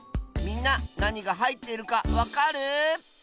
みんななにがはいっているかわかる？